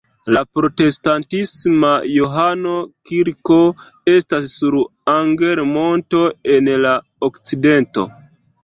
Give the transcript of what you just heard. La protestantisma Johano-kirko estas sur Anger-monto en la okcidento.